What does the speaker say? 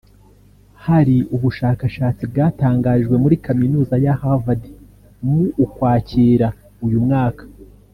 Hari ubushakashatsi bwatangarijwe muri Kaminuza ya Harvard mu Ukwakira uyu mwaka